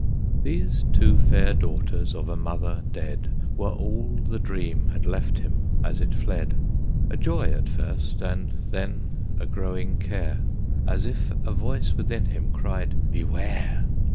These two fair daughters of a mother dead Were all the dream had left him as it fled. A joy at first, and then a growing care, As if a voice within him cried, "Beware!"